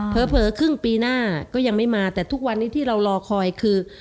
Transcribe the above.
ครึ่งปีหน้าก็ยังไม่มาแต่ทุกวันนี้ที่เรารอคอยคือ